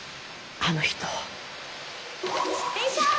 あの人。